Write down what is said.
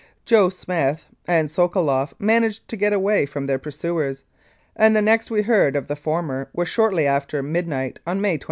"Joe Smith " and Sokoloff managed to get away from their pursuers, and the next we heard of the former was shortly after mid night on May 23.